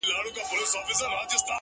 لمن كي مي د سپينو ملغلرو كور ودان دى;